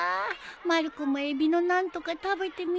まる子もエビの何とか食べてみたいよ。